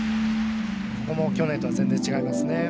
ここも去年とは全然違いますね。